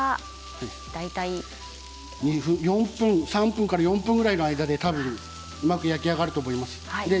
３分から４分ぐらいでうまく焼き上がると思います。